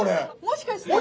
もしかして？